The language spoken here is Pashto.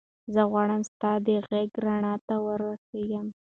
زه غواړم ستا د غږ رڼا ته ورسېږم.